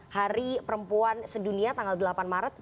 hari perempuan sedunia tanggal delapan maret